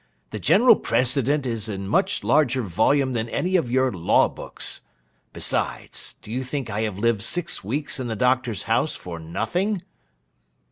The general precedent is in a much larger volume than any of your law books. Besides, do you think I have lived six weeks in the Doctor's house for nothing?